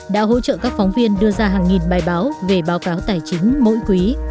đã hỗ trợ các phóng viên đưa ra hàng nghìn bài báo về báo cáo tài chính mỗi quý